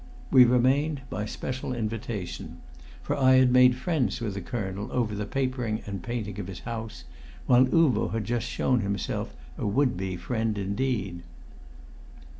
We remained by special invitation, for I had made friends with the colonel over the papering and painting of his house, while Uvo had just shown himself a would be friend indeed.